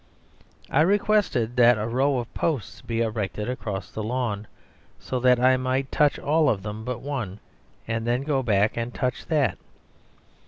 I requested that a row of posts be erected across the lawn, so that I might touch all of them but one, and then go back and touch that.